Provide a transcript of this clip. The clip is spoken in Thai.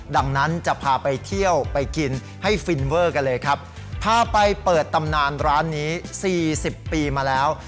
ดังนั้นจะพาไปเที่ยวไปกินให้ฟินเวอร์กันเลยครับพาไปเปิดตำนานร้านนี้สี่สิบปีมาแล้ว